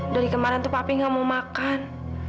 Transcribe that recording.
dari kemarin tuh papi gak mau makan